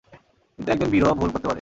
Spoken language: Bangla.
কিন্তু একজন বীরও, ভুল করতে পারে।